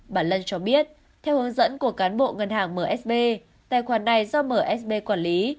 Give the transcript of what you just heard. bà lân cho biết theo hướng dẫn của cán bộ ngân hàng msb tài khoản này do msb quản lý